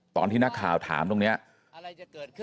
ตอนที่หน้าข่าวถามตรงนี้